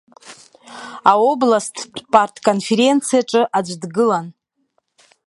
Аобласттә партконференциаҿы аӡәы дгылан.